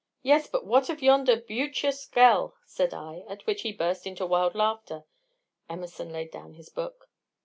"'Yes; but what of yonder beautchous gel?' said I, at which he burst into wild laughter." Emerson laid down his book.